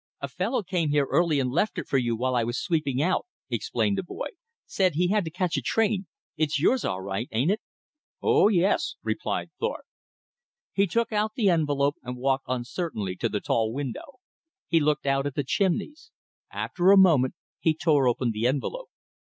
"A fellow came here early and left it for you while I was sweeping out," explained the boy. "Said he had to catch a train. It's yours all right, ain't it?" "Oh, yes," replied Thorpe. He took the envelope and walked uncertainly to the tall window. He looked out at the chimneys. After a moment he tore open the envelope.